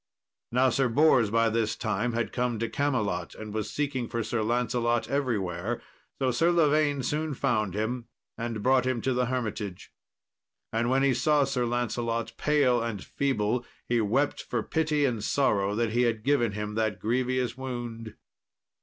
Now Sir Bors by this time had come to Camelot, and was seeking for Sir Lancelot everywhere, so Sir Lavaine soon found him, and brought him to the hermitage. And when he saw Sir Lancelot pale and feeble, he wept for pity and sorrow that he had given him that grievous wound.